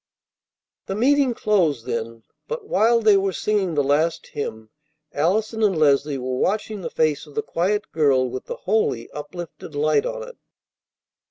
The meeting closed then; but, while they were singing the last hymn Allison and Leslie were watching the face of the quiet girl with the holy, uplifted light on it.